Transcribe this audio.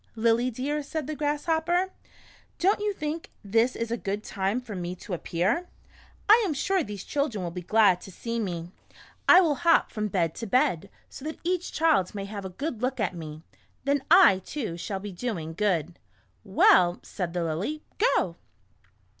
"Lily dear," said the Grasshopper, "don't you think this is a good time for me to appear ? I am sure these children will be glad to see me. I will 128 A Grasshopper's Trip to the City. hop from bed to bed, so that each child may have a good look at me. Then I, too, shall be doing good." "Well," said the Lily, "go."